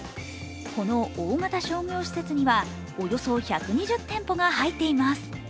この大型商業施設にはおよそ１２０店舗が入っています。